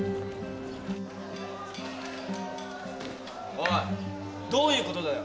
おいどういうことだよ？